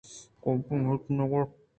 کافءَہچ نہ گوٛشت